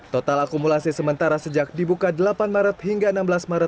total akumulasi sementara sejak dibuka delapan maret hingga enam belas maret dua ribu dua puluh satu